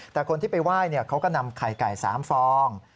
แต่คนที่ไปไหว้เขาก็นำไข่ไก่๓ฟอง